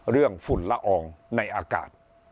เรื่องฝุ่นละอองในอากาศ